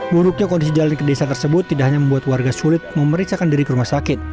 buruknya kondisi jalan ke desa tersebut tidak hanya membuat warga sulit memeriksakan diri ke rumah sakit